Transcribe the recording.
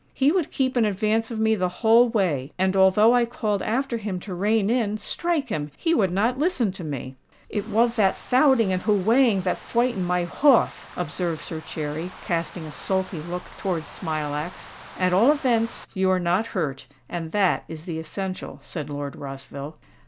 "He would keep in advance of me the whole way; and although I called after him to rein in—strike him!—he would not listen to me." "It wath that thouting and hoowaying that fwightened my horth," observed Sir Cherry, casting a sulky look towards Smilax. "At all events you are not hurt—and that is the essential," said Lord Rossville.